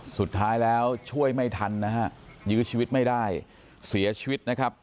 สุดท้ายแล้วช่วยไม่ทันนะฮะยื้อชีวิตไม่ได้เสียชีวิตนะครับ